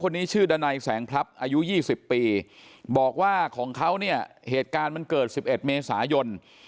ชื่อดันัยแสงพลับอายุ๒๐ปีบอกว่าของเขาเนี่ยเหตุการณ์มันเกิด๑๑เมษายน